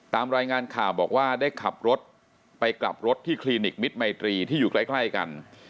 ตามรายงานข่าวบอกว่าได้ขับรถไปกลับรถที่คลินิกมิตรมัยตรีที่อยู่ใกล้กัน